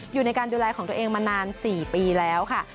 อยู่ในการดูแลของตัวเองมานาน๔ปีแล้วค่ะ